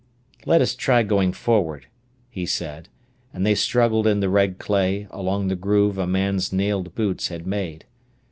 "Let us try going forward," he said; and they struggled in the red clay along the groove a man's nailed boots had made.